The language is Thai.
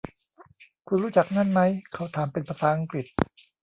คุณรู้จักนั่นมั้ย ? เขาถามเป็นภาษาอังกฤษ